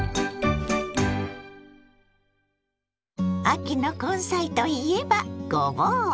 秋の根菜といえばごぼう！